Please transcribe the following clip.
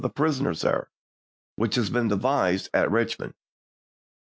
the prisoners there, which had been devised at Rich mond.